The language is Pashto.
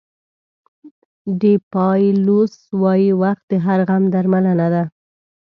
ډیپایلوس وایي وخت د هر غم درملنه ده.